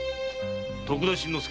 徳田新之助。